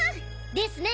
ですね！